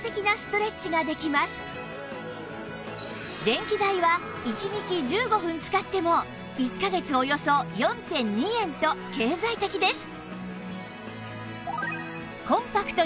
電気代は１日１５分使っても１カ月およそ ４．２ 円と経済的です